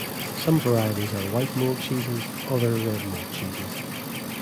Some varieties are white mold cheeses, others red mold cheeses.